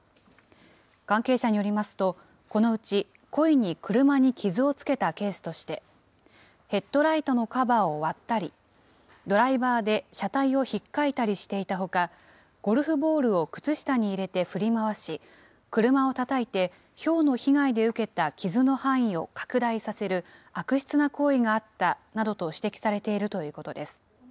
関係者によりますと、このうち故意に車に傷をつけたケースとして、ヘッドライトのカバーを割ったり、ドライバーで車体をひっかいたりしていたほか、ゴルフボールを靴下に入れて振り回し、車をたたいてひょうの被害で受けた傷の範囲を拡大させる、悪質な行為があったなどと指摘されているということです。